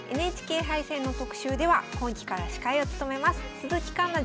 ＮＨＫ杯戦の特集では今期から司会を務めます鈴木環那